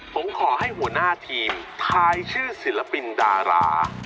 ผมขอให้หัวหน้าทีมทายชื่อศิลปินดารา